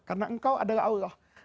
karena engkau adalah allah